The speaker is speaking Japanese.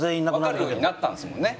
わかるようになったんですもんね